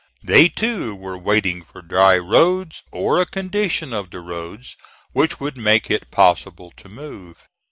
They, too, were waiting for dry roads, or a condition of the roads which would make it possible to move.